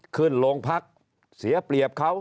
ขึ้นโรงพักเสียเปรียบเขา